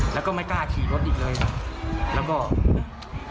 แล้วก็ไม่กล้าขี่รถอีกเลยครับ